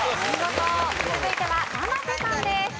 続いては生瀬さんです。